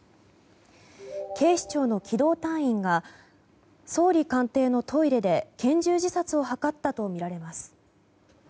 警視庁の機動隊員が総理官邸のトイレで拳銃自殺を図ったとみられます。